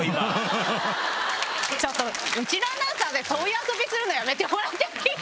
ちょっとうちのアナウンサーでそういう遊びするのやめてもらっていい？